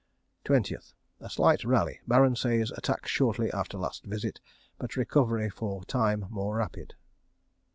20th. A slight rally. Baron says attack shortly after last visit, but recovery for time more rapid.